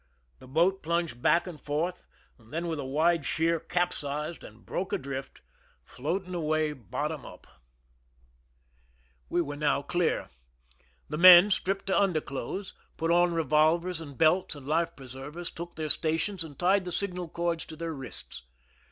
The boat plunged back and forth, then with a wide sheer cajDsized and broke adrift, floating away bottom up. 61 THE SINKING OF THE "MERRIMAC^ We were now clear. The men, stripped to under clothes, put on revolvers and belts and life preser vers, took their stations, and tied the signal cords to their wrists.